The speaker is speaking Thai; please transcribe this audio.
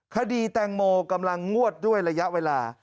คดีแตงโมกำลังงวดด้วยระยะเวลา